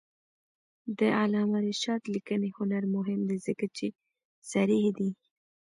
د علامه رشاد لیکنی هنر مهم دی ځکه چې صریح دی.